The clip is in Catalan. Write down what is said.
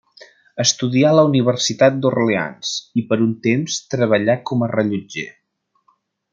Estudià a la Universitat d'Orleans i per un temps treballà com a rellotger.